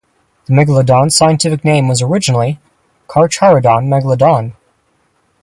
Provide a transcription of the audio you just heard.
The megalodon's scientific name was originally 'Carcharodon' "megalodon".